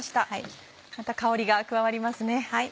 また香りが加わりますね。